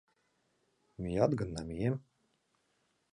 Мият гын, намием.